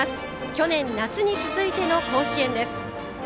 去年夏に続いての甲子園です。